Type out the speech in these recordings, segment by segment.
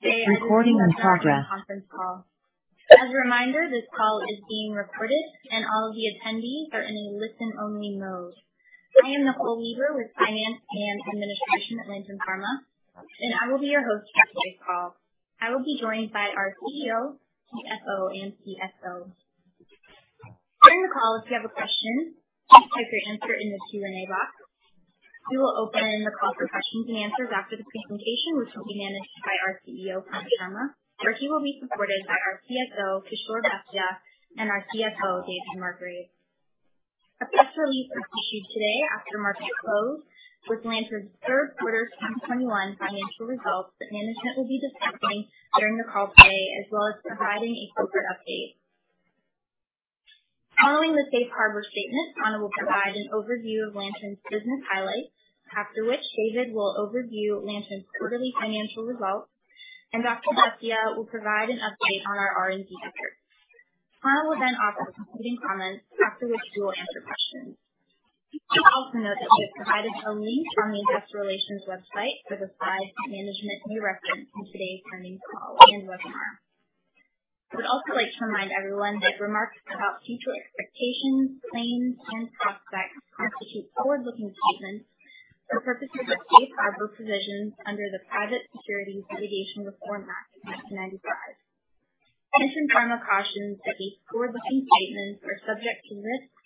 As a reminder, this call is being recorded and all of the attendees are in a listen only mode. I am Nicole Leber with Finance and Administration at Lantern Pharma, and I will be your host for today's call. I will be joined by our CEO, CFO, and CSO. During the call, if you have a question, please type your answer in the Q&A box. We will open the call for questions and answers after the presentation, which will be managed by our CEO, Panna Sharma, where he will be supported by our CSO, Kishor Bhatia, and our CFO, David Margrave. A press release was issued today after market close with Lantern Pharma's third quarter 2021 financial results that management will be discussing during the call today, as well as providing a corporate update. Following the safe harbor statement, Panna Sharma will provide an overview of Lantern Pharma's business highlights. After which, David Margrave will overview Lantern Pharma's quarterly financial results, and Dr. Kishor Bhatia will provide an update on our R&D efforts. Panna will then offer concluding comments, after which we will answer questions. Please also note that we have provided a link on the investor relations website for the slides that management may reference in today's earnings call and webinar. I would also like to remind everyone that remarks about future expectations, plans and prospects constitute forward-looking statements for purposes of safe harbor provisions under the Private Securities Litigation Reform Act of 1995. Lantern Pharma cautions that these forward-looking statements are subject to risks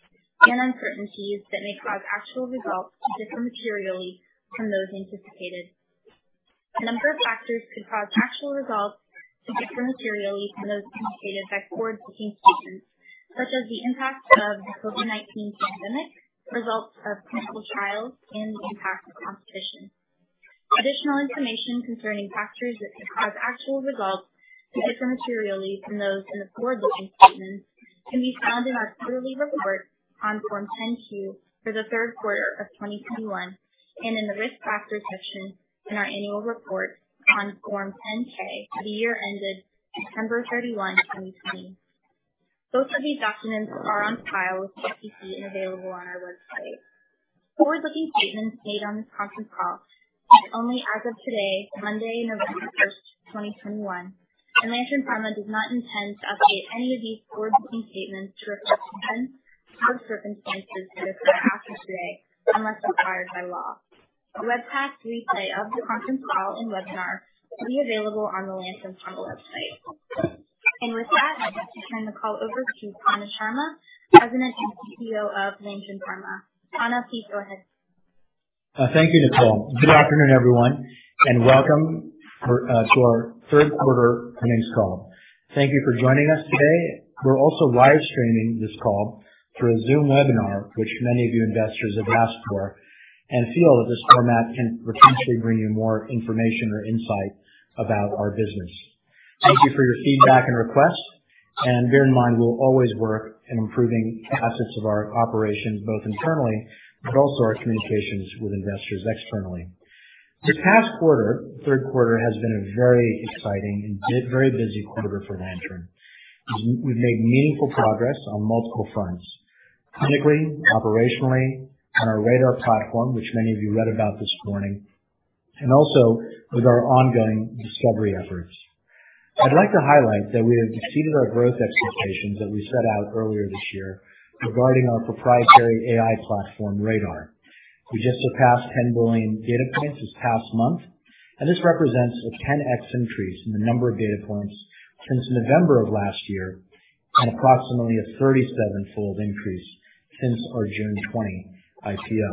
and uncertainties that may cause actual results to differ materially from those anticipated. A number of factors could cause actual results to differ materially from those indicated by forward-looking statements, such as the impact of the COVID-19 pandemic, results of clinical trials, and the impact of competition. Additional information concerning factors that could cause actual results to differ materially from those in the forward-looking statements can be found in our quarterly report on Form 10-Q for the third quarter of 2021 and in the Risk Factors section in our annual report on Form 10-K for the year ended December 31, 2020. Both of these documents are on file with the SEC and available on our website. Forward-looking statements made on this conference call are only as of today, Monday, November 1, 2021. Lantern Pharma does not intend to update any of these forward-looking statements to reflect events or circumstances that occur after today, unless required by law. A webcast replay of the conference call and webinar will be available on the lantern pharma website. With that, I'd like to turn the call over to Panna Sharma, President and CEO of Lantern Pharma. Panna, please go ahead. Thank you, Nicole. Good afternoon, everyone, and welcome to our third quarter earnings call. Thank you for joining us today. We're also live streaming this call through a Zoom webinar, which many of you investors have asked for and feel that this format can potentially bring you more information or insight about our business. Thank you for your feedback and request. Bear in mind, we'll always work on improving facets of our operations, both internally, but also our communications with investors externally. The past quarter, third quarter, has been a very exciting and very busy quarter for Lantern. We've made meaningful progress on multiple fronts, clinically, operationally, on our RADR® platform, which many of you read about this morning, and also with our ongoing discovery efforts. I'd like to highlight that we have exceeded our growth expectations that we set out earlier this year regarding our proprietary AI platform, RADR®. We just surpassed 10 billion data points this past month, and this represents a 10x increase in the number of data points since November of last year and approximately a 37-fold increase since our June 2020 IPO.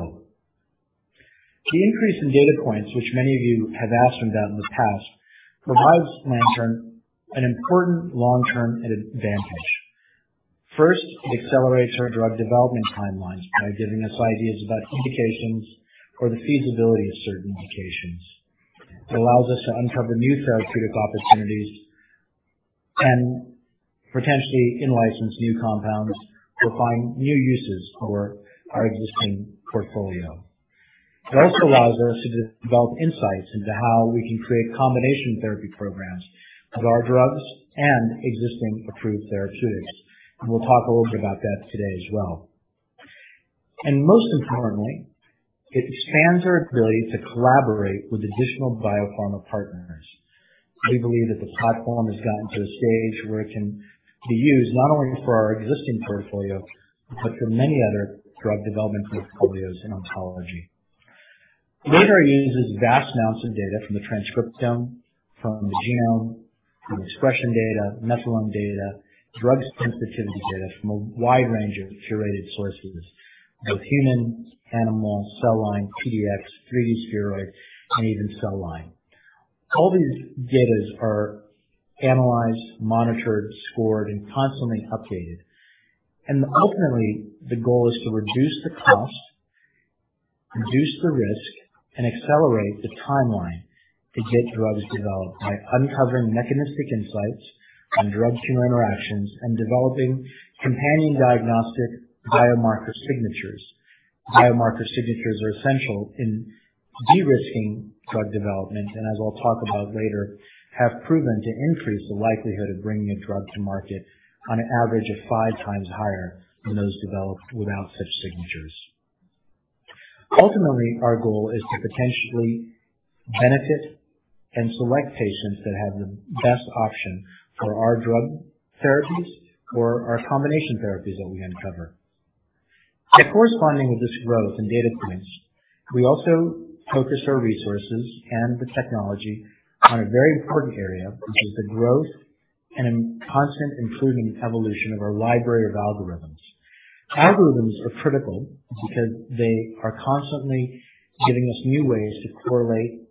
The increase in data points, which many of you have asked about in the past, provides Lantern an important long-term advantage. First, it accelerates our drug development timelines by giving us ideas about indications or the feasibility of certain indications. It allows us to uncover new therapeutic opportunities and potentially in-license new compounds or find new uses for our existing portfolio. It also allows us to develop insights into how we can create combination therapy programs of our drugs and existing approved therapeutics. We'll talk a little bit about that today as well. Most importantly, it expands our ability to collaborate with additional biopharma partners. We believe that the platform has gotten to a stage where it can be used not only for our existing portfolio, but for many other drug development portfolios in oncology. RADR® uses vast amounts of data from the transcriptome, from the genome, from expression data, methylome data, drug sensitivity data from a wide range of curated sources, both human, animal, cell line, PDX, 3D spheroid, and even cell line. All these data are analyzed, monitored, scored, and constantly updated. Ultimately, the goal is to reduce the cost, reduce the risk, and accelerate the timeline to get drugs developed by uncovering mechanistic insights on drug-tumor interactions and developing companion diagnostic biomarker signatures. Biomarker signatures are essential in de-risking drug development, and as I'll talk about later, have proven to increase the likelihood of bringing a drug to market on an average of 5x higher than those developed without such signatures. Ultimately, our goal is to potentially benefit and select patients that have the best option for our drug therapies or our combination therapies that we uncover. By corresponding with this growth in data points, we also focus our resources and the technology on a very important area, which is the growth and constant improving evolution of our library of algorithms. Algorithms are critical because they are constantly giving us new ways to correlate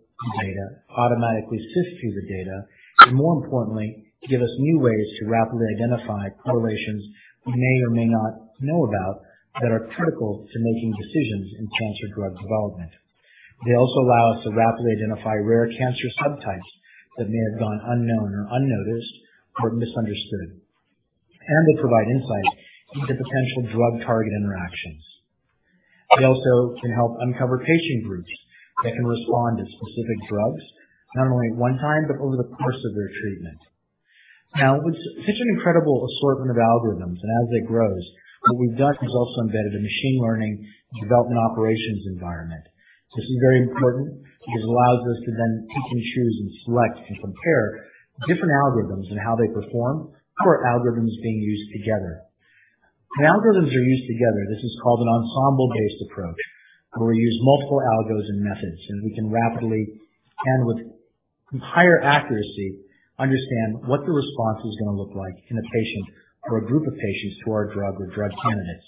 data, automatically sift through the data, but more importantly, to give us new ways to rapidly identify correlations we may or may not know about that are critical to making decisions in cancer drug development. They also allow us to rapidly identify rare cancer subtypes that may have gone unknown or unnoticed or misunderstood, and to provide insight into potential drug target interactions. They also can help uncover patient groups that can respond to specific drugs, not only at one time, but over the course of their treatment. Now, with such an incredible assortment of algorithms, and as it grows, what we've done is also embedded a machine learning development operations environment. This is very important because it allows us to then pick and choose and select and compare different algorithms and how they perform for algorithms being used together. When algorithms are used together, this is called an ensemble-based approach, where we use multiple algos and methods, and we can rapidly and with higher accuracy understand what the response is gonna look like in a patient or a group of patients to our drug or drug candidates.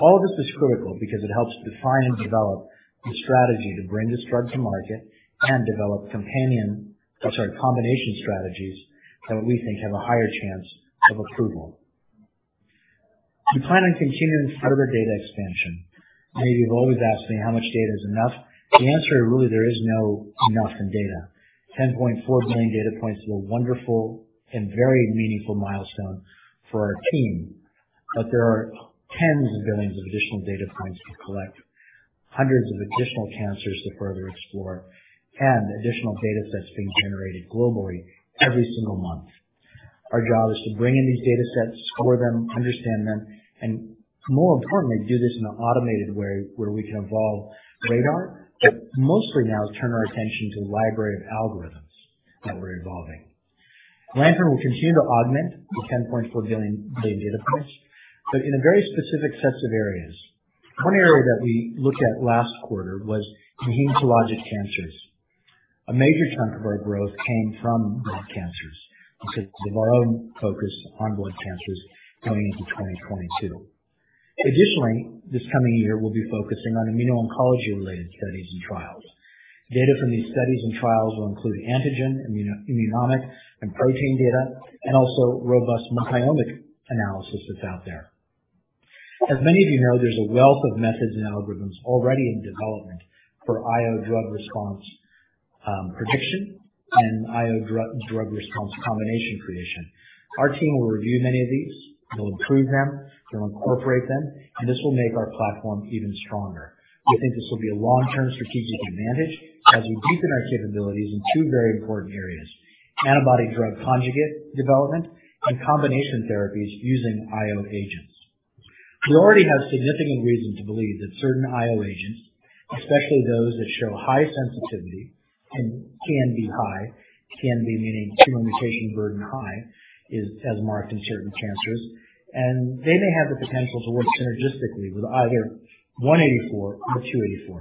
All of this is critical because it helps define and develop the strategy to bring this drug to market and develop combination strategies that we think have a higher chance of approval. We plan on continuing this further data expansion. Many of you have always asked me how much data is enough. The answer really there is no enough in data. 10.4 billion data points is a wonderful and very meaningful milestone for our team. There are tens of billions of additional data points to collect, hundreds of additional cancers to further explore, and additional data sets being generated globally every single month. Our job is to bring in these data sets, score them, understand them, and more importantly, do this in an automated way where we can evolve RADR, but mostly now turn our attention to the library of algorithms that we're evolving. Lantern will continue to augment the 10.4 billion data points, but in a very specific sets of areas. One area that we looked at last quarter was hematologic cancers. A major chunk of our growth came from blood cancers because of our own focus on blood cancers going into 2022. Additionally, this coming year, we'll be focusing on immuno-oncology related studies and trials. Data from these studies and trials will include antigen, immunogenomic, and protein data, and also robust multiomic analysis that's out there. As many of you know, there's a wealth of methods and algorithms already in development for IO drug response prediction and IO drug response combination creation. Our team will review many of these. We'll improve them. We'll incorporate them, and this will make our platform even stronger. We think this will be a long-term strategic advantage as we deepen our capabilities in two very important areas, antibody drug conjugate development and combination therapies using IO agents. We already have significant reason to believe that certain IO agents, especially those that show high sensitivity can be high, meaning tumor mutation burden high is as marked in certain cancers, and they may have the potential to work synergistically with either LP-184 or LP-284,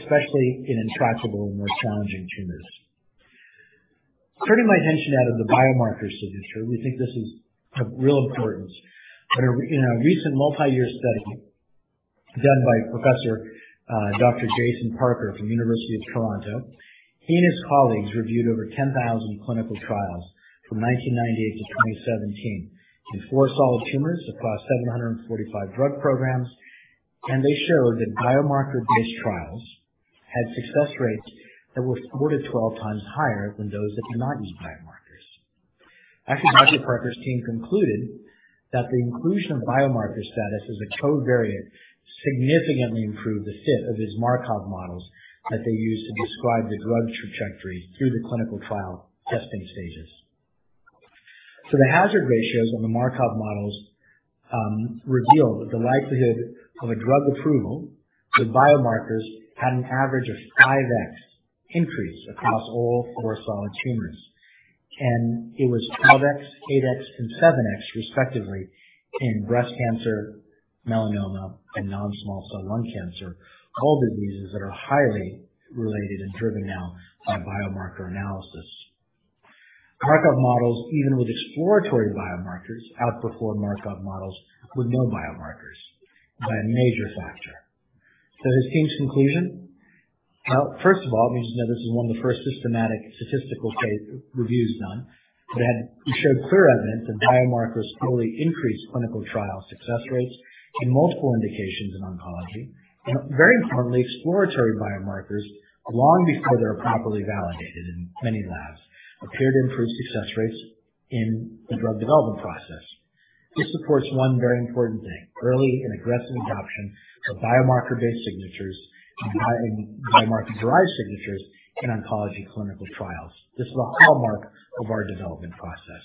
especially in intractable and more challenging tumors. Turning my attention now to the biomarker signature, we think this is of real importance. In a recent multi-year study done by Professor Dr. Jayson Parker from University of Toronto, he and his colleagues reviewed over 10,000 clinical trials from 1998 to 2017 in four solid tumors across 745 drug programs, and they showed that biomarker-based trials had success rates that were 12 times higher than those that did not use biomarkers. Actually, Dr. Jayson's team concluded that the inclusion of biomarker status as a covariate significantly improved the fit of his Markov models that they used to describe the drug trajectory through the clinical trial testing stages. The hazard ratios on the Markov models revealed that the likelihood of a drug approval with biomarkers had an average of 5x increase across all four solid tumors. It was 5x, 8x, and 7x, respectively, in breast cancer, melanoma, and non-small cell lung cancer, all diseases that are highly related and driven now by biomarker analysis. Markov models, even with exploratory biomarkers, outperformed Markov models with no biomarkers by a major factor. His team's conclusion? Well, first of all, we need to know this is one of the first systematic statistical case reviews done that had showed clear evidence that biomarkers fully increase clinical trial success rates in multiple indications in oncology. Very importantly, exploratory biomarkers, long before they are properly validated in many labs, appear to improve success rates in the drug development process. This supports one very important thing, early and aggressive adoption of biomarker-based signatures and biomarker-derived signatures in oncology clinical trials. This is a hallmark of our development process.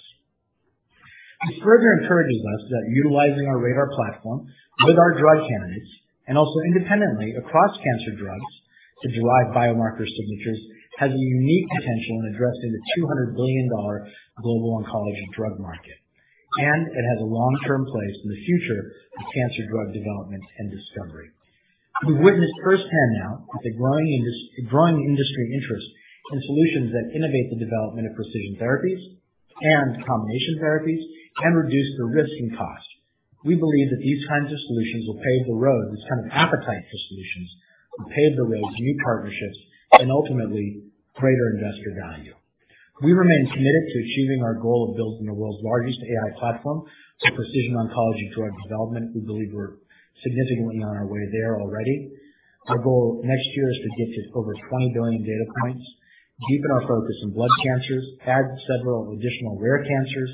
This further encourages us that utilizing our RADR platform with our drug candidates and also independently across cancer drugs to derive biomarker signatures has a unique potential in addressing the $200 billion global oncology drug market. It has a long-term place in the future of cancer drug development and discovery. We've witnessed firsthand now the growing industry interest in solutions that innovate the development of precision therapies and combination therapies and reduce the risk and cost. We believe that these kinds of solutions will pave the road. This kind of appetite for solutions will pave the road to new partnerships and ultimately greater investor value. We remain committed to achieving our goal of building the world's largest AI platform for precision oncology drug development. We believe we're significantly on our way there already. Our goal next year is to get to over 20 billion data points, deepen our focus in blood cancers, add several additional rare cancers,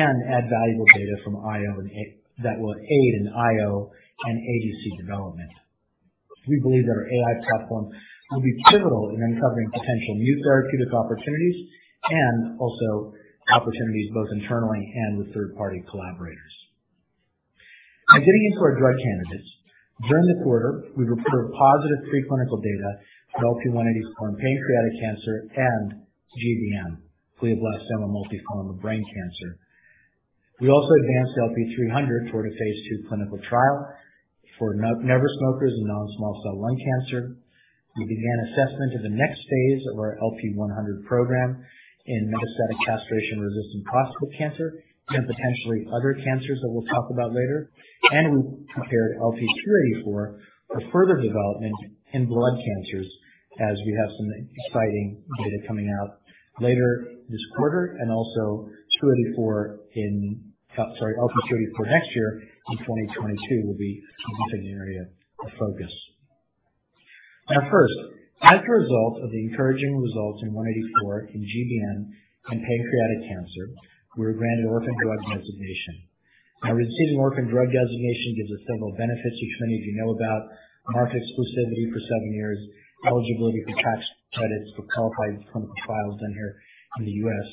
and add valuable data from IO and ADC. That will aid in IO and ADC development. We believe that our AI platform will be pivotal in uncovering potential new therapeutic opportunities and also opportunities both internally and with third-party collaborators. Now getting into our drug candidates. During the quarter, we reported positive preclinical data for LP-184 in pancreatic cancer and GBM, glioblastoma multiforme brain cancer. We also advanced LP-300 toward a phase II clinical trial for never-smokers in non-small cell lung cancer. We began assessment of the next phase of our LP-100 program in metastatic castration-resistant prostate cancer and potentially other cancers that we'll talk about later. We prepared LP-284 for further development in blood cancers as we have some exciting data coming out later this quarter. LP-284 next year in 2022 will be a significant area of focus. Now first, as a result of the encouraging results in LP-184 in GBM and pancreatic cancer, we were granted Orphan Drug Designation. Now, receiving Orphan Drug Designation gives us several benefits, which many of you know about. Market exclusivity for seven years, eligibility for tax credits for qualified clinical trials done here in the U.S.,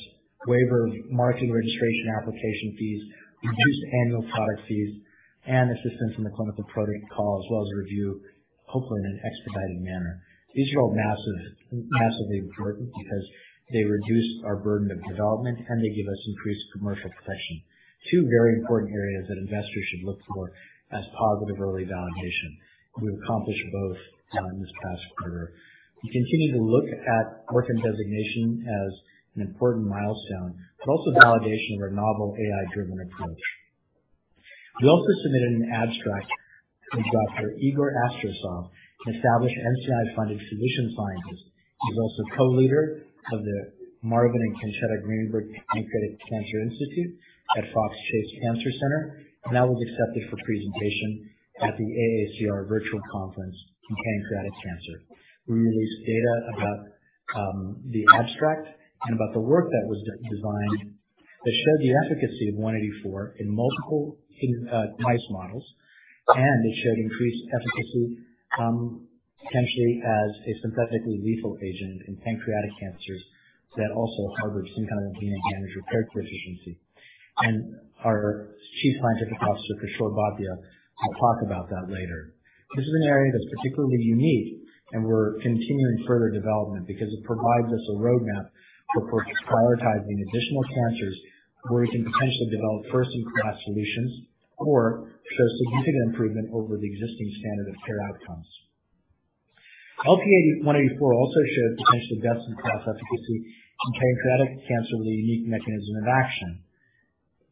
waiver of marketing registration application fees, reduced annual product fees, and assistance in the clinical protocol, as well as review, hopefully in an expedited manner. These are all massive, massively important because they reduce our burden of development and they give us increased commercial protection. Two very important areas that investors should look for as positive early validation. We've accomplished both in this past quarter. We continue to look at Orphan Drug Designation as an important milestone, but also validation of our novel AI-driven approach. We also submitted an abstract from Dr. Igor Astsaturov, an established NCI-funded physician scientist. He's also co-leader of the Marvin and Concetta Greenberg Pancreatic Cancer Institute at Fox Chase Cancer Center, and that was accepted for presentation at the AACR Virtual Conference in Pancreatic Cancer. We released data about the abstract and about the work that was designed that showed the efficacy of LP-184 in multiple mouse models. It showed increased efficacy, potentially as a synthetically lethal agent in pancreatic cancers that also harbor some kind of DNA damage repair deficiency. Our Chief Scientific Officer, Kishor Bhatia, will talk about that later. This is an area that's particularly unique and we're continuing further development because it provides us a roadmap for prioritizing additional cancers where we can potentially develop first-in-class solutions or show significant improvement over the existing standard of care outcomes. LP-184 also showed potentially best-in-class efficacy in pancreatic cancer with a unique mechanism of action.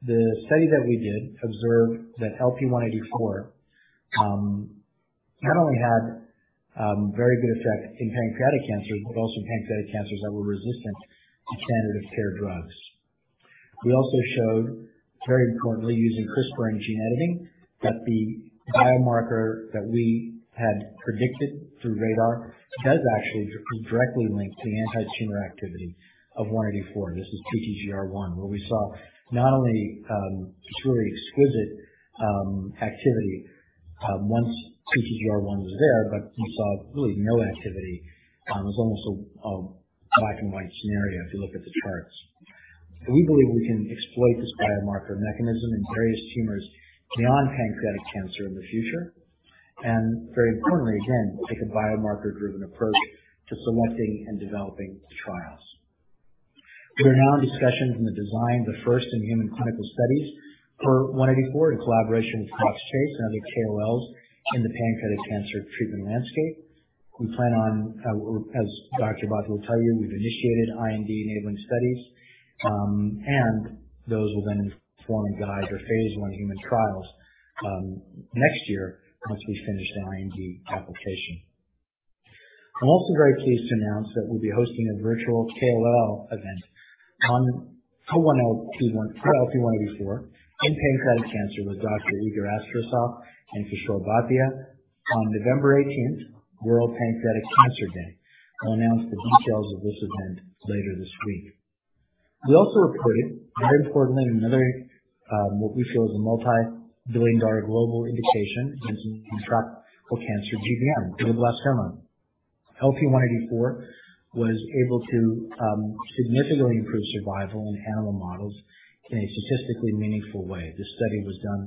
The study that we did observed that LP-184 not only had very good effect in pancreatic cancer, but also in pancreatic cancers that were resistant to standard of care drugs. We also showed, very importantly, using CRISPR and gene editing, that the biomarker that we had predicted through RADR does actually directly link to the anti-tumor activity of 184. This is TGR-1, where we saw not only just really exquisite activity once TGR-1 was there, but we saw really no activity. It was almost a black and white scenario if you look at the charts. We believe we can exploit this biomarker mechanism in various tumors beyond pancreatic cancer in the future. Very importantly, again, take a biomarker-driven approach to selecting and developing trials. We are now in discussions on the design of the first-in-human clinical studies for LP-184 in collaboration with Fox Chase and other KOLs in the pancreatic cancer treatment landscape. We plan on, or as Dr. Bhatia will tell you, we've initiated IND-enabling studies, and those will then inform and guide our phase I human trials, next year once we finish the IND application. I'm also very pleased to announce that we'll be hosting a virtual KOL event for LP-184 in pancreatic cancer with Dr. Igor Astsaturov and Kishor Bhatia on November 18, World Pancreatic Cancer Day. I'll announce the details of this event later this week. We also reported, very importantly, another, what we feel is a multi-billion dollar global indication in tropical cancer GBM, glioblastoma. LP-184 was able to significantly improve survival in animal models in a statistically meaningful way. This study was done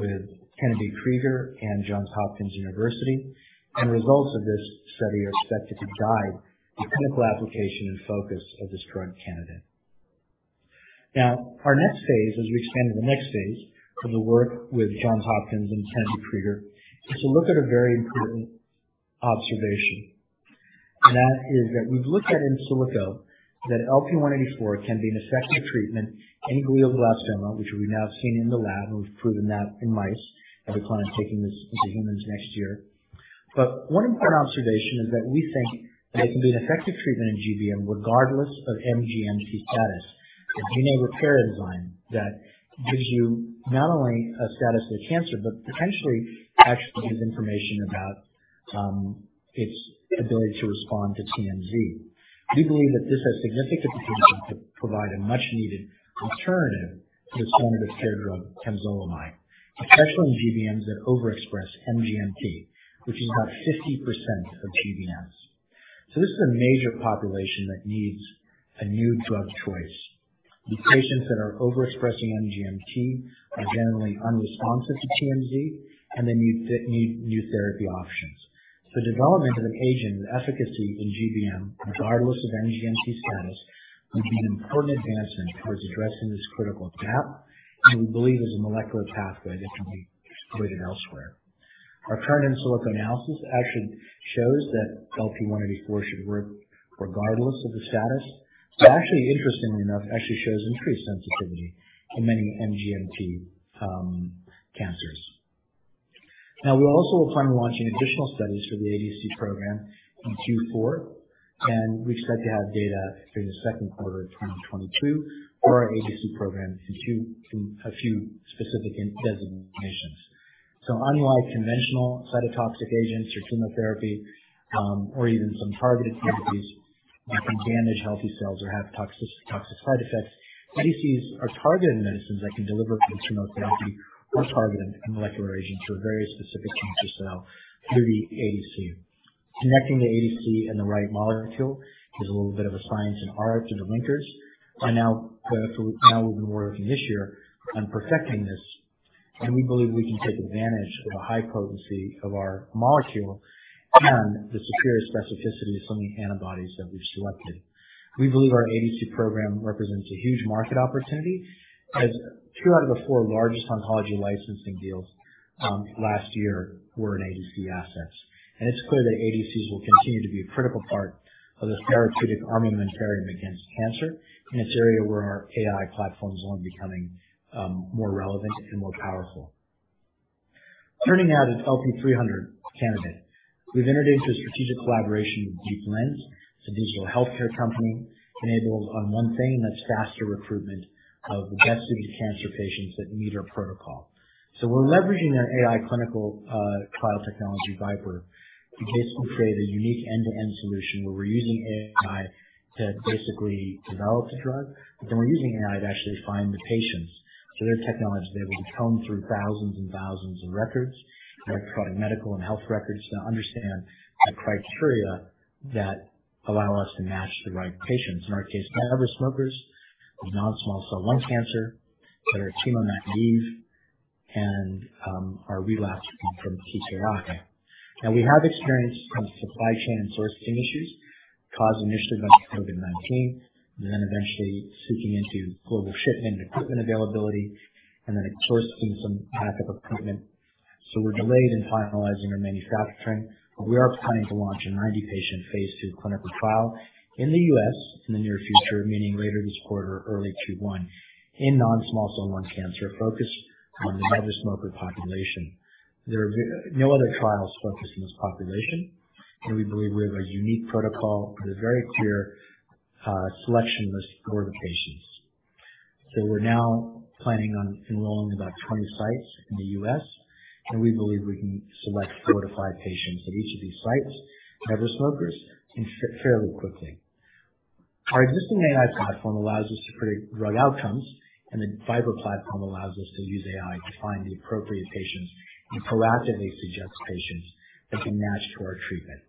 with Kennedy Krieger and Johns Hopkins University, and the results of this study are expected to guide the clinical application and focus of this drug candidate. Now, our next phase, as we expand to the next phase of the work with Johns Hopkins and Kennedy Krieger, is to look at a very important observation. That is that we've looked at in silico that LP-184 can be an effective treatment in glioblastoma, which we've now seen in the lab, and we've proven that in mice, and we plan on taking this into humans next year. One important observation is that we think that it can be an effective treatment in GBM regardless of MGMT status, a DNA repair enzyme that gives you not only a status of the cancer, but potentially actually gives information about, its ability to respond to TMZ. We believe that this has significant potential to provide a much-needed alternative to the standard of care drug temozolomide, especially in GBMs that overexpress MGMT, which is about 50% of GBMs. This is a major population that needs a new drug choice. These patients that are overexpressing MGMT are generally unresponsive to TMZ, and they need new therapy options. The development of a patient with efficacy in GBM, regardless of MGMT status, would be an important advancement towards addressing this critical gap, and we believe there's a molecular pathway that can be exploited elsewhere. Our current in silico analysis actually shows that LP-184 should work regardless of the status, but actually, interestingly enough, shows increased sensitivity in many MGMT cancers. We also plan on launching additional studies for the ADC program in Q4, and we expect to have data during the second quarter of 2022 for our ADC program in a few specific indications. Unlike conventional cytotoxic agents or chemotherapy, or even some targeted therapies that can damage healthy cells or have toxic side effects, ADCs are targeted medicines that can deliver chemotherapy or targeted molecular agents to a very specific cancer cell through the ADC. Connecting the ADC and the right molecule is a little bit of a science and art in the winters, and now we've been working this year on perfecting this, and we believe we can take advantage of the high potency of our molecule and the superior specificity of so many antibodies that we've selected. We believe our ADC program represents a huge market opportunity as two out of the four largest oncology licensing deals last year were in ADC assets. It's clear that ADCs will continue to be a critical part of the therapeutic armamentarium against cancer, and it's an area where our AI platform is only becoming more relevant and more powerful. Turning now to the LP-300 candidate. We've entered into a strategic collaboration with Deep Lens, a digital healthcare company, enabled on one thing, that's faster recruitment of the best-suited cancer patients that meet our protocol. We're leveraging their AI clinical trial technology VIPER to basically create a unique end-to-end solution where we're using AI to basically develop the drug, but then we're using AI to actually find the patients. Their technology is able to comb through thousands and thousands of records, electronic medical and health records, to understand the criteria that allow us to match the right patients. In our case, never smokers with non-small cell lung cancer that are chemo-naive and are relapsing from EGFR. Now we have experienced some supply chain and sourcing issues caused initially by COVID-19 and then eventually seeping into global shipment and equipment availability, and then sourcing some lack of equipment. We're delayed in finalizing our manufacturing, but we are planning to launch a 90-patient phase II clinical trial in the U.S. in the near future, meaning later this quarter or early Q1, in non-small cell lung cancer focused on the never smoker population. There are no other trials focused on this population, and we believe we have a unique protocol with a very clear selection list for the patients. We're now planning on enrolling about 20 sites in the U.S., and we believe we can select four to five patients at each of these sites, never smokers, and fairly quickly. Our existing AI platform allows us to predict drug outcomes, and the VIPER platform allows us to use AI to find the appropriate patients and proactively suggest patients that can match to our treatment.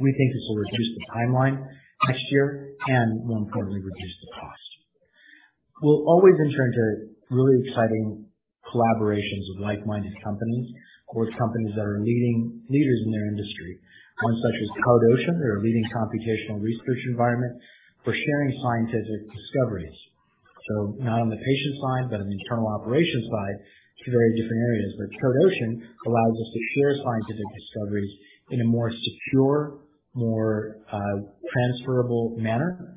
We think this will reduce the timeline next year and, more importantly, reduce the cost. We'll always enter into really exciting collaborations with like-minded companies or companies that are leaders in their industry. One such is Code Ocean. They're a leading computational research environment for sharing scientific discoveries, not on the patient side, but on the internal operations side, two very different areas. Code Ocean allows us to share scientific discoveries in a more secure, more transferable manner,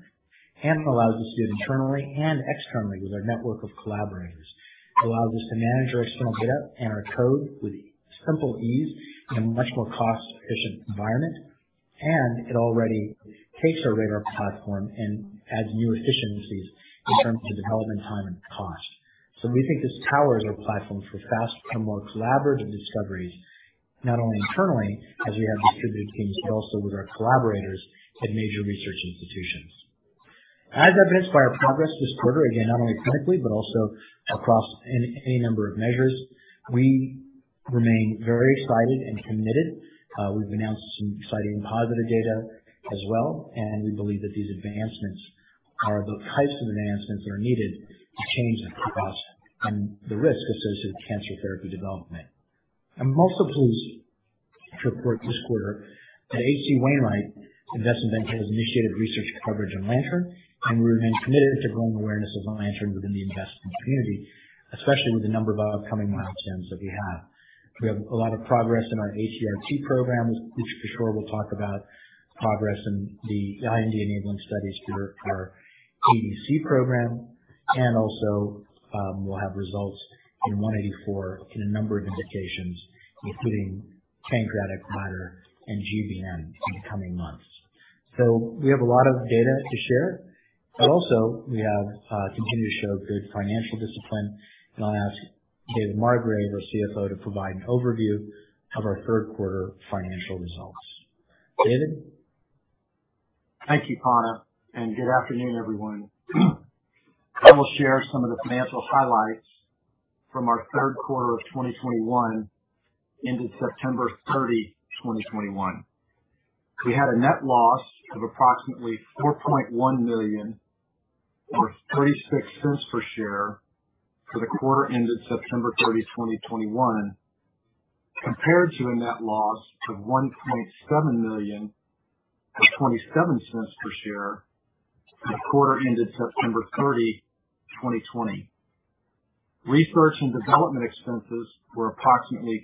and allows us to do it internally and externally with our network of collaborators. Allows us to manage our external data and our code with simple ease in a much more cost-efficient environment. it already takes our RADR platform and adds new efficiencies in terms of development time and cost. We think this powers our platform for fast and more collaborative discoveries, not only internally as we have distributed teams, but also with our collaborators at major research institutions. As I've mentioned, our progress this quarter, again, not only clinically but also across any number of measures, we remain very excited and committed. We've announced some exciting positive data as well, and we believe that these advancements are the types of advancements that are needed to change the cost and the risk associated with cancer therapy development. I'm also pleased to report this quarter that H.C. Wainwright Investment Bank has initiated research coverage on Lantern, and we remain committed to growing awareness of Lantern within the investment community, especially with the number of upcoming milestones that we have. We have a lot of progress in our ATRT program, which Kishor will talk about, progress in the IND-enabling studies for our ADC program. We'll have results in LP-184 in a number of indications, including pancreatic and GBM in the coming months. We have a lot of data to share, but also we have continued to show good financial discipline. I'll ask David Margrave, our CFO, to provide an overview of our third quarter financial results. David? Thank you, Panna, and good afternoon, everyone. I will share some of the financial highlights from our third quarter of 2021 ended September 30, 2021. We had a net loss of approximately $4.1 million or $0.36 per share for the quarter ended September 30, 2021, compared to a net loss of $1.7 million or $0.27 per share for the quarter ended September 30, 2020. Research and development expenses were approximately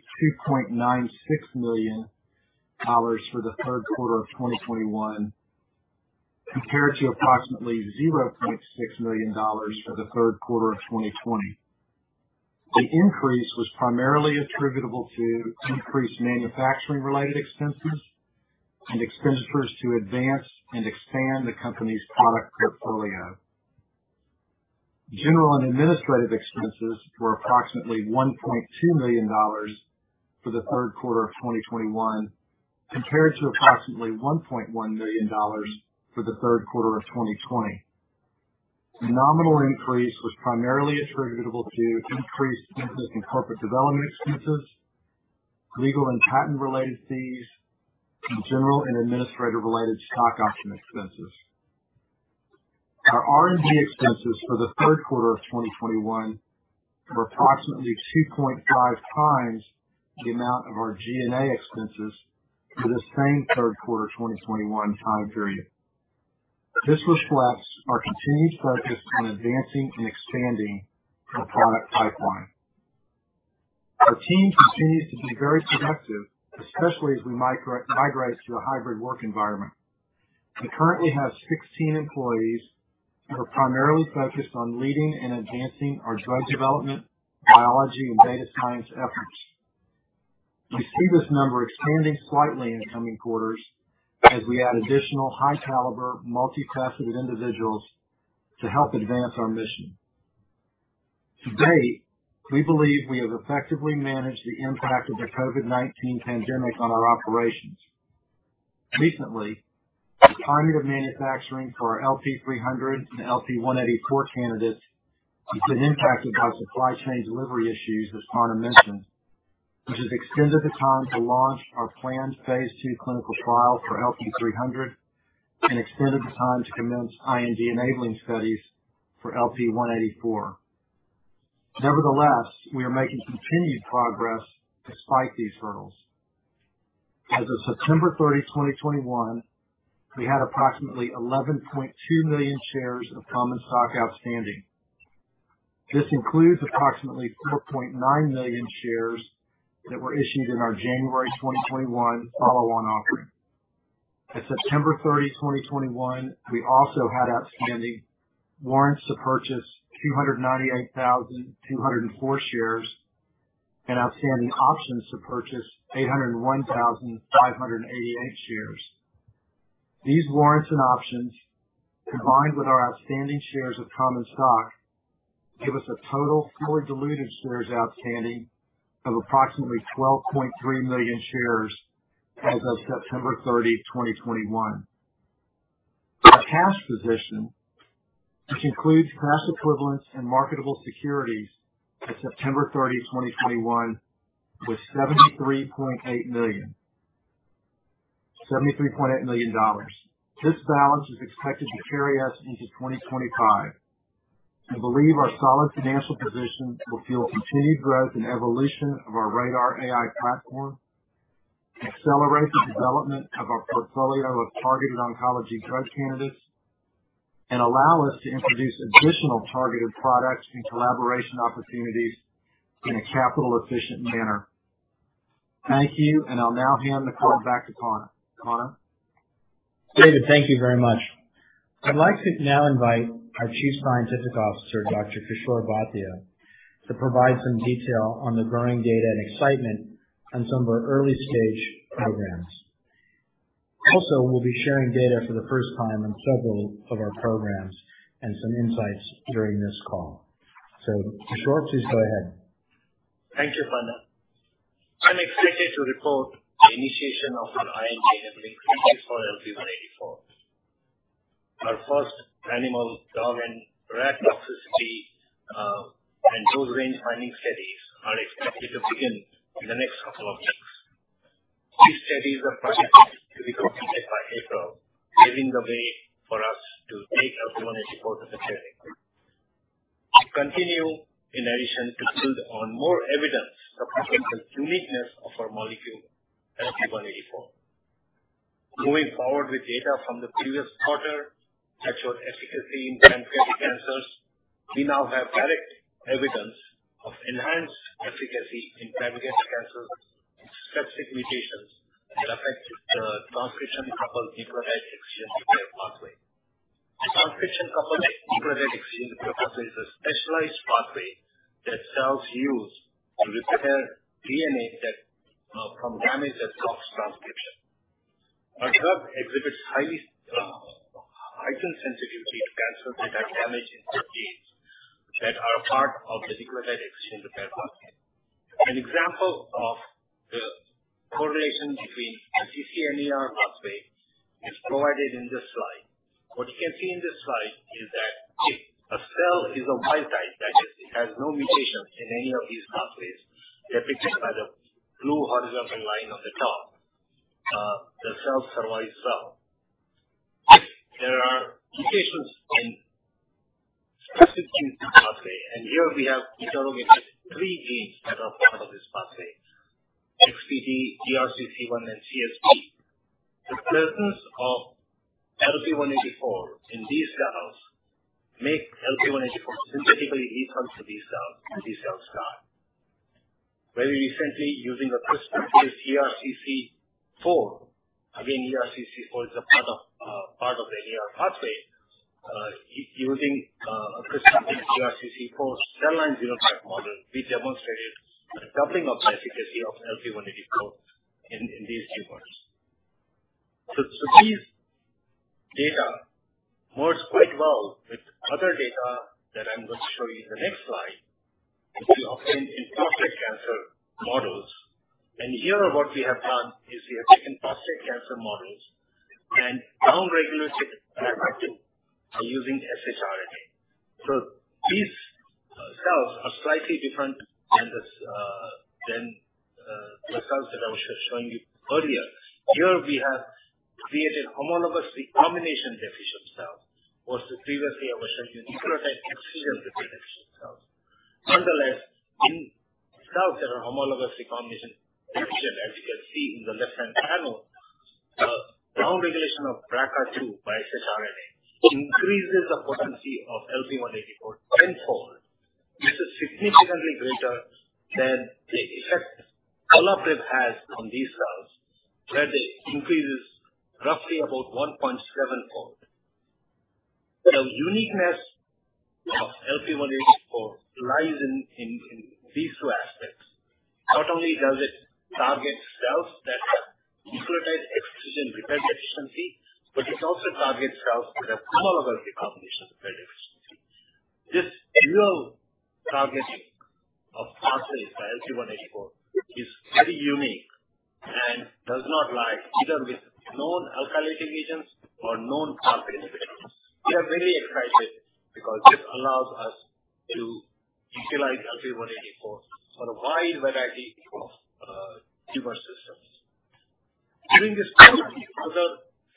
$2.96 million for the third quarter of 2021, compared to approximately $0.6 million for the third quarter of 2020. The increase was primarily attributable to increased manufacturing-related expenses and expenditures to advance and expand the company's product portfolio. General and administrative expenses were approximately $1.2 million for the third quarter of 2021, compared to approximately $1.1 million for the third quarter of 2020. The nominal increase was primarily attributable to increases in corporate development expenses, legal and patent-related fees, and general and administrative related stock option expenses. Our R&D expenses for the third quarter of 2021 were approximately 2.5 times the amount of our G&A expenses for the same third quarter 2021 time period. This reflects our continued focus on advancing and expanding our product pipeline. Our team continues to be very productive, especially as we migrate to a hybrid work environment. We currently have 16 employees who are primarily focused on leading and advancing our drug development, biology, and data science efforts. We see this number expanding slightly in the coming quarters as we add additional high-caliber, multifaceted individuals to help advance our mission. To date, we believe we have effectively managed the impact of the COVID-19 pandemic on our operations. Recently, the timing of manufacturing for our LP-300 and LP-184 candidates has been impacted by supply chain delivery issues, as Panna mentioned, which has extended the time to launch our planned phase II clinical trial for LP-300 and extended the time to commence IND-enabling studies for LP-184. Nevertheless, we are making continued progress despite these hurdles. As of September 30, 2021, we had approximately 11.2 million shares of common stock outstanding. This includes approximately 4.9 million shares that were issued in our January 2021 follow-on offering. At September 30, 2021, we also had outstanding warrants to purchase 298,204 shares and outstanding options to purchase 801,588 shares. These warrants and options, combined with our outstanding shares of common stock, give us a total forward diluted shares outstanding of approximately 12.3 million shares as of September 30, 2021. Our cash position, which includes cash equivalents and marketable securities at September 30, 2021, was $73.8 million, $73.8 million dollars. This balance is expected to carry us into 2025. We believe our solid financial position will fuel continued growth and evolution of our RADR AI platform, accelerate the development of our portfolio of targeted oncology drug candidates, and allow us to introduce additional targeted products and collaboration opportunities in a capital efficient manner. Thank you, and I'll now hand the call back to Panna. Panna? David, thank you very much. I'd like to now invite our Chief Scientific Officer, Dr. Kishor Bhatia, to provide some detail on the growing data and excitement on some of our early stage programs. Also, we'll be sharing data for the first time on several of our programs and some insights during this call. Kishor, please go ahead. Thank you, Panna. I'm excited to report the initiation of our IND-enabling studies for LP-184. Our first animal, dog and rat toxicity and dose range-finding studies are expected to begin in the next couple of weeks. These studies are projected to be completed by April, paving the way for us to take LP-184 to the clinic. We continue, in addition, to build on more evidence of potential uniqueness of our molecule, LP-184. Moving forward with data from the previous quarter that showed efficacy in pancreatic cancers, we now have direct evidence of enhanced efficacy in pancreatic cancers with specific mutations that affect the transcription-coupled nucleotide excision repair pathway. The transcription-coupled nucleotide excision repair is a specialized pathway that cells use to repair DNA from damage that blocks transcription. Our drug exhibits highly heightened sensitivity to cancer that have damage in the genes that are part of the nucleotide excision repair pathway. An example of the correlation between NER and NER pathway is provided in this slide. What you can see in this slide is that if a cell is a wild type, that is, it has no mutations in any of these pathways, depicted by the blue horizontal line on the top, the cells are live cell. If there are mutations in specific genes in the pathway, and here we have three genes that are part of this pathway, XPD, ERCC1, and CSB. The presence of LP-184 in these cells make LP-184 synthetically lethal to these cells, and these cells die. Very recently, using a CRISPR-Cas9 ERCC4, again, ERCC4 is a part of the NER pathway. Using a CRISPR-Cas9 ERCC4 cell line xenograft model, we demonstrated a doubling of the efficacy of LP-184 in these tumors. These data works quite well with other data that I'm going to show you in the next slide, which we obtained in prostate cancer models. Here what we have done is we have taken prostate cancer models and down-regulated BRCA2 using shRNA. These cells are slightly different than the cells that I was showing you earlier. Here we have created homologous recombination deficient cells. Previously I was showing you nucleotide excision deficient cells. Nonetheless, in cells that are homologous recombination deficient, as you can see in the left-hand panel, down-regulation of BRCA2 by shRNA increases the potency of LP-184 tenfold. This is significantly greater than the effect olaparib has on these cells, where the increase is roughly about 1.7-fold. The uniqueness of LP-184 lies in these two aspects. Not only does it target cells that have nucleotide excision repair deficiency, but it also targets cells that have homologous recombination repair deficiency. This dual targeting of pathways by LP-184 is very unique and does not lie either with known alkylating agents or known PARP inhibitors. We are very excited because this allows us to utilize LP-184 for a wide variety of tumor systems. During this quarter, we further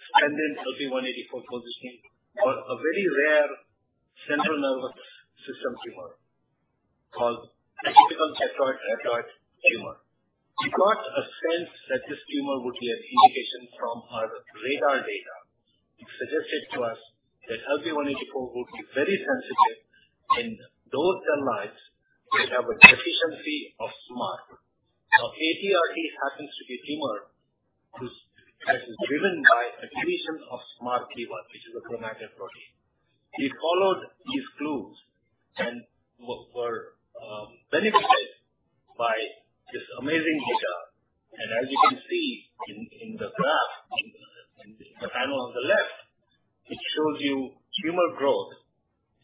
expanded LP-184 positioning for a very rare central nervous system tumor called atypical teratoid rhabdoid tumor. We got a sense that this tumor would be an indication from our RADR data. It suggested to us that LP-184 would be very sensitive in those cell lines which have a deficiency of SMARCB1. Now, ATRT happens to be a tumor which is driven by a fusion of SMARCB1, which is a chromatin protein. We followed these clues and were benefited by this amazing data. As you can see in the graph, in the panel on the left, it shows you tumor growth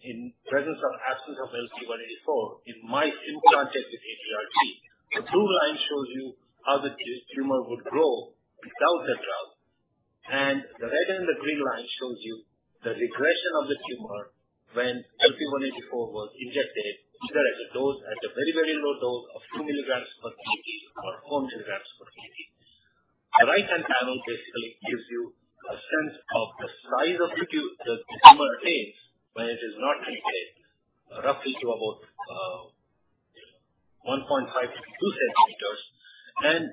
in presence or absence of LP-184 in mice implanted with ATRT. The blue line shows you how the tumor would grow without the drug, and the red and the green line shows you the regression of the tumor when LP-184 was injected, either as a dose, as a very, very low dose of 2 mg/kg or 4 mg/kg. The right-hand panel basically gives you a sense of the size of the tumor takes when it is not treated, roughly to about 1.52 cm.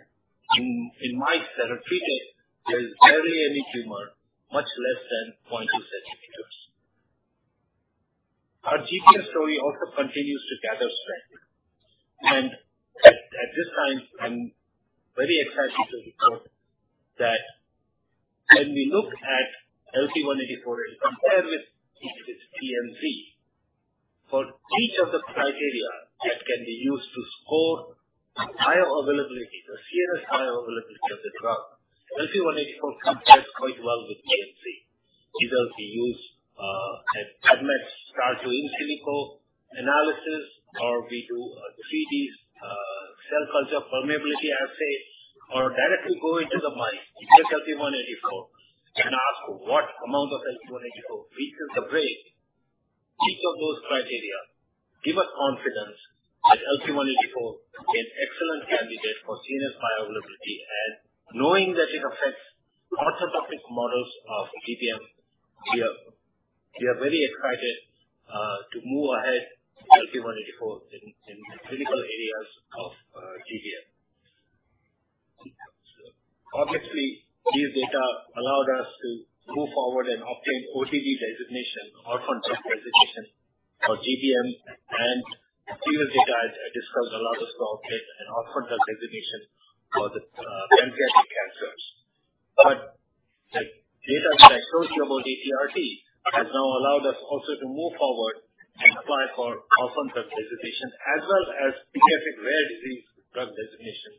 In mice that are treated, there is barely any tumor, much less than 0.2 cm. Our GPS story also continues to gather strength. At this time, I'm very excited to report that when we look at LP-184 and compare with PMV, for each of the criteria that can be used to score the bioavailability, the cerebral bioavailability of the drug, LP-184 compares quite well with PMV. The results we use as ADMET starting with in silico analysis or we do 3D cell culture permeability assay or directly go into the mice with LP-184 and ask what amount of LP-184 reaches the brain. Each of those criteria give us confidence that LP-184 is an excellent candidate for CNS bioavailability. Knowing that it affects multiple pre-clinical models of GBM, we are very excited to move ahead with LP-184 in clinical areas of GBM. Obviously these data allowed us to move forward and obtain Orphan Drug Designation for GBM, and previous data, as I discussed, allowed us to obtain an Orphan Drug Designation for the pancreatic cancers. The data that I showed you about ATRT has now allowed us also to move forward and apply for Orphan Drug Designation as well as rare pediatric disease designation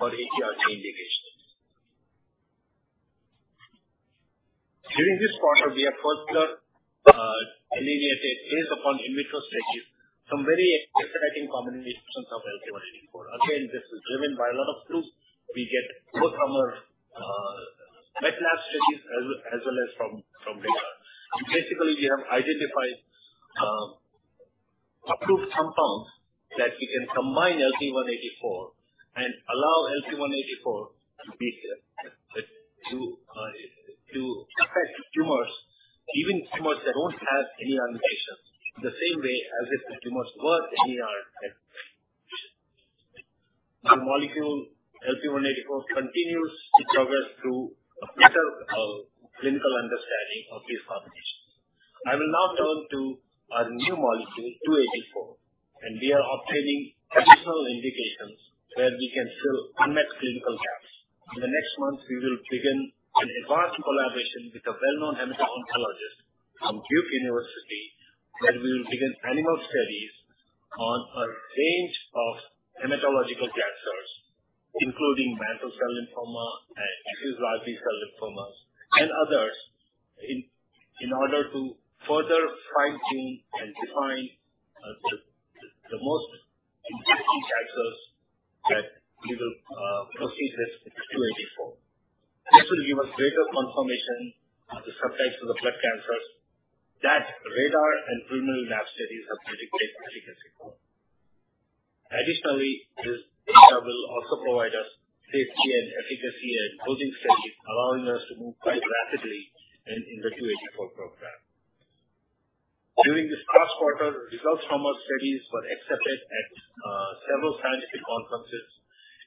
for ATRT indications. During this quarter, we have further evaluated based upon in vitro studies some very exciting combinations of LP-184. Again, this is driven by a lot of clues we get both from our wet lab studies as well as from data. Basically, we have identified a proof compound that we can combine LP-184 and allow LP-184 to affect tumors, even tumors that don't have any activation, the same way as if the tumors were NER activated. The molecule LP-184 continues its progress through a better clinical understanding of these combinations. I will now turn to our new molecule, LP-284, and we are obtaining additional indications where we can fill unmet clinical gaps. In the next month, we will begin an advanced collaboration with a well-known hemato-oncologist from Duke University, where we will begin animal studies on a range of hematological cancers, including mantle cell lymphoma and extranodal lymphoma and others in order to further fine-tune and define the most interesting cancers that we will proceed with LP-284. This will give us greater confirmation of the subtypes of the blood cancers that RADR and preliminary lab studies have predicted efficacy for. Additionally, this data will also provide us safety and efficacy and dosing studies, allowing us to move quite rapidly in the 284 program. During this past quarter, results from our studies were accepted at several scientific conferences,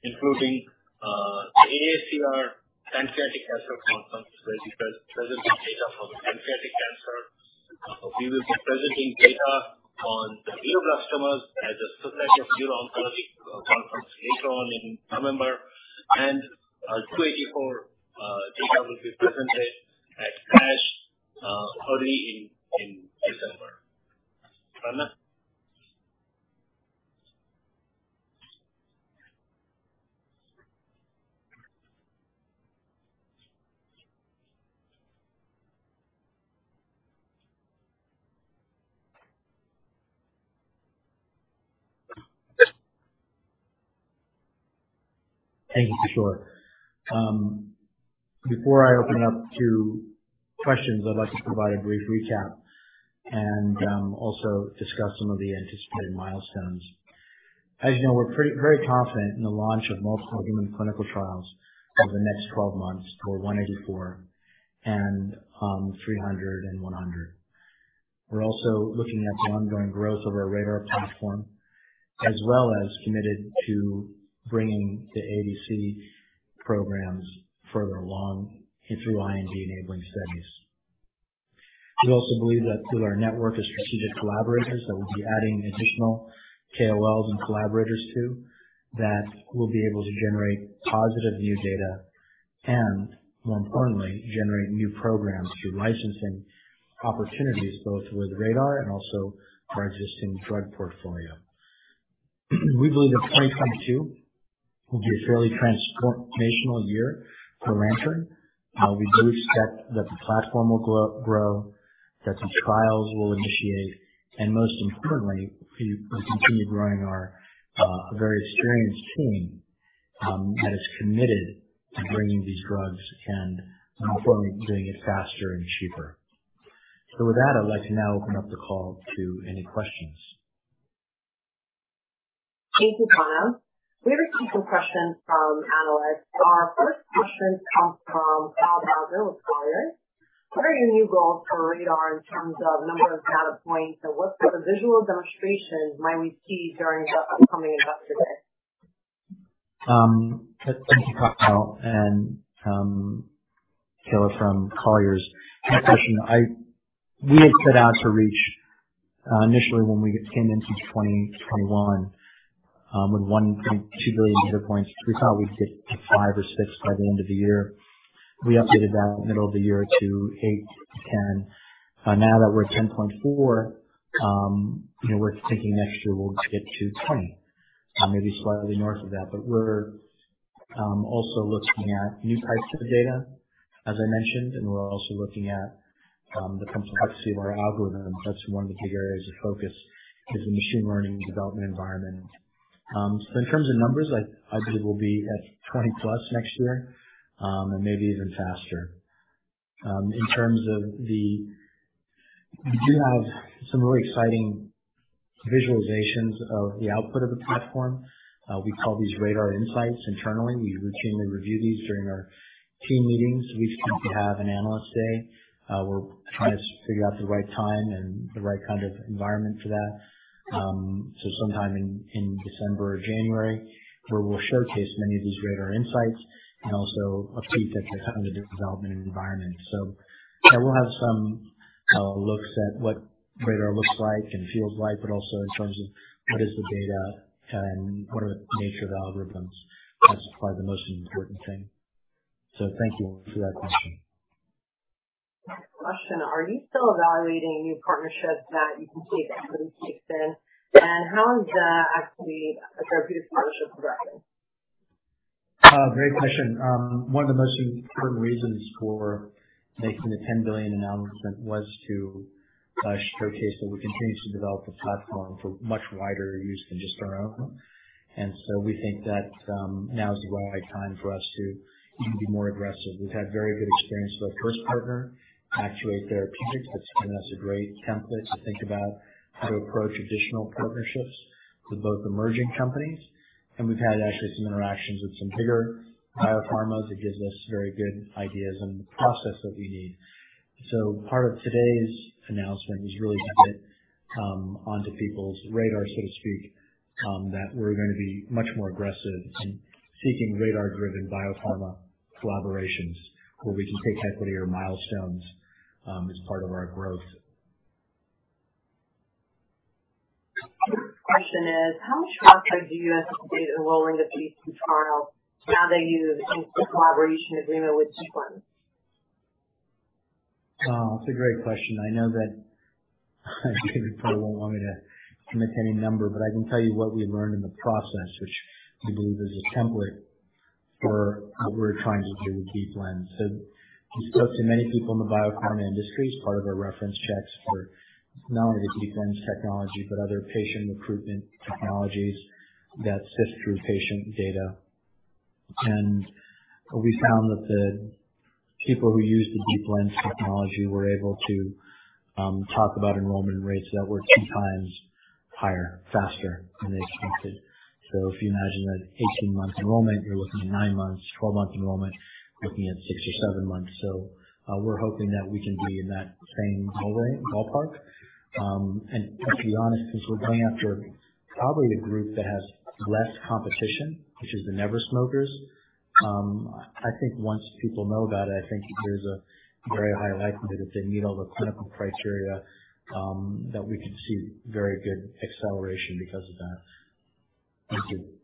including the AACR Pancreatic Cancer Conference, where we presented data for pancreatic cancer. We will be presenting data on the glioblastomas at the Society for Neuro-Oncology conference later on in November. 284 data will be presented at ASH early in December. Panna? Thank you, Kishor. Before I open up to questions, I'd like to provide a brief recap and also discuss some of the anticipated milestones. As you know, we're very confident in the launch of multiple human clinical trials over the next 12 months for LP-184 and LP-300 and LP-100. We're also looking at the ongoing growth of our RADR platform, as well as we're committed to bringing the ADC programs further along through IND-enabling studies. We also believe that through our network of strategic collaborators that we'll be adding additional KOLs and collaborators to, that we'll be able to generate positive new data and more importantly, generate new programs through licensing opportunities, both with RADR and also our existing drug portfolio. We believe that 2022 will be a fairly transformational year for Lantern. We do expect that the platform will grow, that the trials will initiate, and most importantly, we continue growing our very experienced team that is committed to bringing these drugs and importantly doing it faster and cheaper. With that, I'd like to now open up the call to any questions. Thank you, Panna. We received some questions from analysts. Our first question comes from Kyle Bauser with Colliers. What are your new goals for RADR in terms of number of data points and what sort of visual demonstrations might we see during the upcoming Investor Day? Thank you, Kyle and Taylor from Colliers. That question we had set out to reach initially when we came into 2021 with 1.2 billion data points. We thought we'd get to five or six by the end of the year. We updated that middle of the year to eight to 10. Now that we're at 10.4, you know, we're thinking next year we'll get to 20. Maybe slightly north of that. We're also looking at new types of data, as I mentioned, and we're also looking at the complexity of our algorithm. That's one of the big areas of focus is the machine learning development environment. In terms of numbers, I believe we'll be at 20+ next year, and maybe even faster. We do have some really exciting visualizations of the output of the platform. We call these RADR® Insights internally. We routinely review these during our team meetings. We expect to have an analyst day. We're trying to figure out the right time and the right kind of environment for that. Sometime in December or January, where we'll showcase many of these RADR® Insights and also update the kind of the development environment. Yeah, we'll have some looks at what RADR® looks like and feels like, but also in terms of what is the data and what are the nature of the algorithms. That's probably the most important thing. Thank you for that question. Next question. Are you still evaluating new partnerships that you can take equity stakes in? How is the Actuate Therapeutics partnership progressing? Great question. One of the most important reasons for making the $10 billion announcement was to showcase that we continue to develop the platform for much wider use than just our own. We think that now is the right time for us to even be more aggressive. We've had very good experience with our first partner, Actuate Therapeutics. That's given us a great template to think about how to approach additional partnerships with both emerging companies. We've had actually some interactions with some bigger biopharmas that gives us very good ideas on the process that we need. Part of today's announcement is really to get onto people's radar, so to speak, that we're gonna be much more aggressive in seeking RADR-driven biopharma collaborations where we can take equity or milestones as part of our growth. Question is, how much progress do you anticipate enrolling the Deep Lens trial now that you have a collaboration agreement with Deep Lens? That's a great question. I know that Kevin probably won't want me to commit to any number, but I can tell you what we've learned in the process, which we believe is a template for what we're trying to do with Deep Lens. We spoke to many people in the biopharma industry as part of our reference checks for not only the Deep Lens technology, but other patient recruitment technologies that sift through patient data. What we found was that people who use the Deep Lens technology were able to talk about enrollment rates that were two times higher, faster than they expected. If you imagine that 18-month enrollment, you're looking at nine months. 12-month enrollment, you're looking at six or seven months. We're hoping that we can be in that same ballpark. To be honest, since we're going after probably a group that has less competition, which is the never smokers, I think once people know about it, I think there's a very high likelihood, if they meet all the clinical criteria, that we could see very good acceleration because of that. Thank you.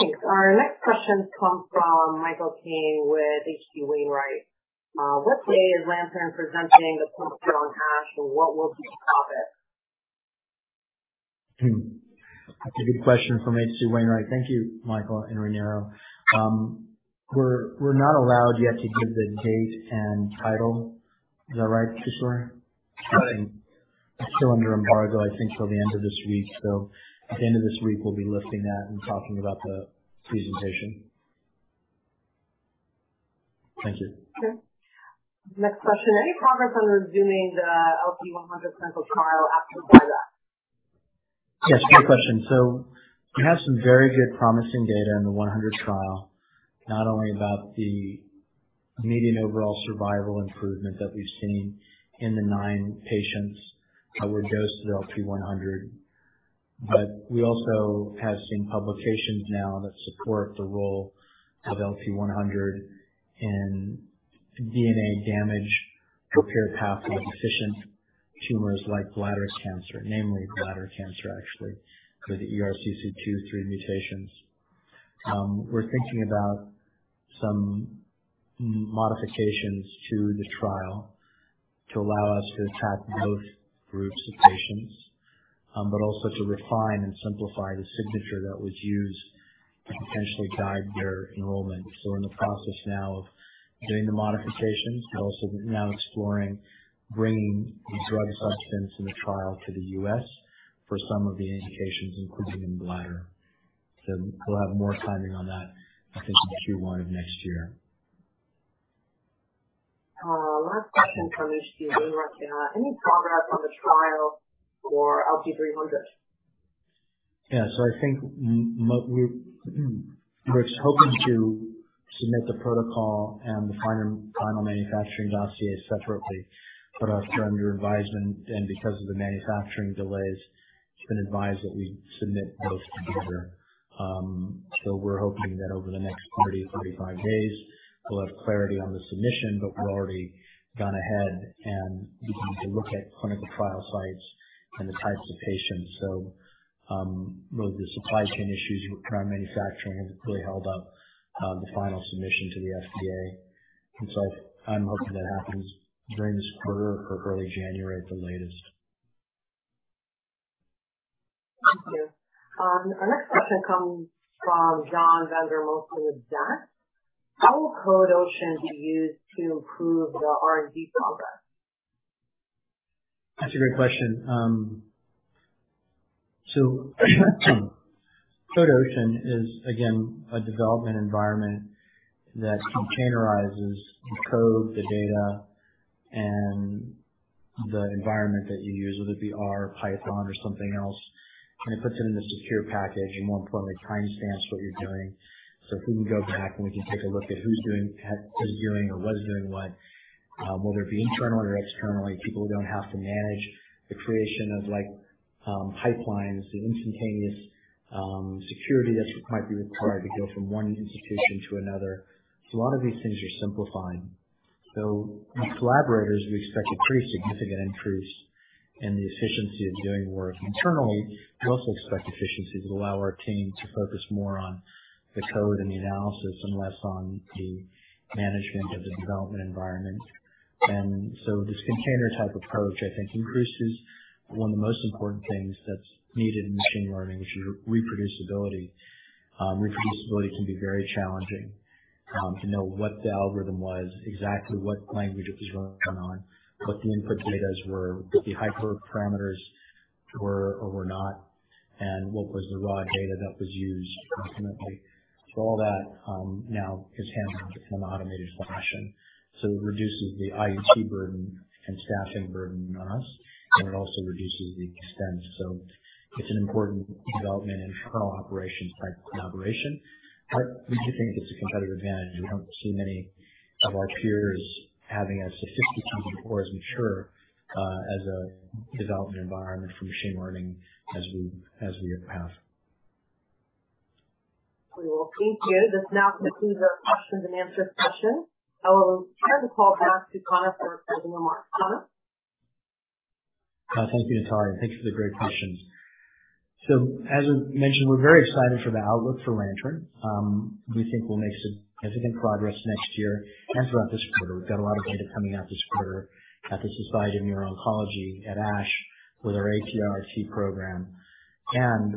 Thanks. Our next question comes from Michael King with H.C. Wainwright. What day is Lantern presenting the clinical on ASH? What will be the topic? That's a good question from H.C. Wainwright. Thank you, Michael and Ramiro. We're not allowed yet to give the date and title. Is that right, Kishor? Right. It's still under embargo, I think, till the end of this week. At the end of this week, we'll be lifting that and talking about the presentation. Thank you. Okay. Next question. Any progress on resuming the LP-100 clinical trial after the buyout? Yes, great question. We have some very good promising data in the 100 trial, not only about the median overall survival improvement that we've seen in the nine patients that were dosed with LP-100, but we also have seen publications now that support the role of LP-100 in DNA damage repair pathway deficient tumors like bladder cancer, namely bladder cancer, actually, for the ERCC2/3 mutations. We're thinking about some modifications to the trial to allow us to attack both groups of patients, but also to refine and simplify the signature that was used to potentially guide their enrollment. We're in the process now of doing the modifications and also now exploring bringing the drug substance in the trial to the U.S. for some of the indications, including in bladder. We'll have more timing on that in Q1 of next year. Last question from H.C. Wainwright. Any progress on the trial for LP-300? I think we're hoping to submit the protocol and the final manufacturing dossier separately. After under advisement and because of the manufacturing delays, it's been advised that we submit those together. We're hoping that over the next 30 to 35 days, we'll have clarity on the submission, but we've already gone ahead and begun to look at clinical trial sites and the types of patients. With the supply chain issues with contract manufacturing has really held up the final submission to the FDA. I'm hoping that happens during this quarter or early January at the latest. Thank you. Our next question comes from John Vandermosten with Zacks. How will Code Ocean be used to improve the R&D progress? That's a great question. Code Ocean is again a development environment that containerizes the code, the data, and the environment that you use, whether it be R, Python or something else, and it puts it in a secure package and more importantly, timestamps what you're doing. We can go back and we can take a look at who's doing or is doing or was doing what. Whether it be internally or externally, people don't have to manage the creation of like pipelines, the instantaneous security that might be required to go from one institution to another. A lot of these things are simplifying. With collaborators, we expect a pretty significant increase in the efficiency of doing work internally. We also expect efficiencies allow our team to focus more on the code and the analysis and less on the management of the development environment. This container type approach, I think increases one of the most important things that's needed in machine learning, which is reproducibility. Reproducibility can be very challenging to know what the algorithm was, exactly what language it was run on, what the input data's were, the hyperparameters were or were not, and what was the raw data that was used ultimately. All that now is handled in an automated fashion. It reduces the IT burden and staffing burden on us, and it also reduces the expense. It's an important development in internal operations type collaboration. We do think it's a competitive advantage. We don't see many of our peers having as sophisticated or as mature as a development environment for machine learning as we have. Well, thank you. This now concludes our question and answer session. I will turn the call back to Panna for closing remarks. Panna? Thank you, Natali, and thank you for the great questions. As I mentioned, we're very excited for the outlook for Lantern. We think we'll make significant progress next year and throughout this quarter. We've got a lot of data coming out this quarter at the Society for Neuro-Oncology at ASH with our ATRT program.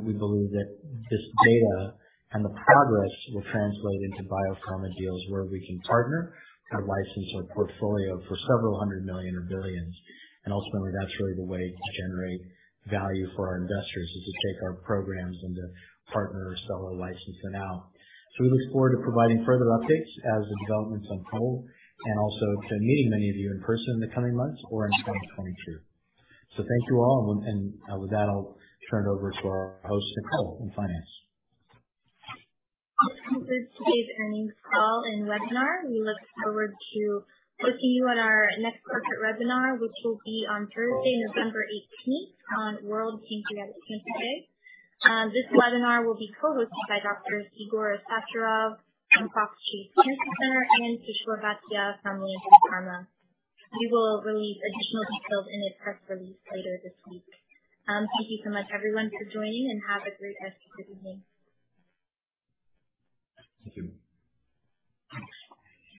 We believe that this data and the progress will translate into biopharma deals where we can partner or license our portfolio for $several hundred million or billions. Ultimately, that's really the way to generate value for our investors, is to take our programs and to partner or sell or license them out. We look forward to providing further updates as the developments unfold and also to meeting many of you in person in the coming months or in 2022. Thank you all. With that, I'll turn it over to our host, Nicole Leber. This concludes today's earnings call and webinar. We look forward to seeing you at our next corporate webinar, which will be on Thursday, November 18, on World Pancreatic Cancer Day. This webinar will be co-hosted by Doctors Igor Astsaturov from Fox Chase Cancer Center, and Kishor Bhatia from Lantern Pharma. We will release additional details in a press release later this week. Thank you so much, everyone, for joining, and have a great rest of the evening. Thank you.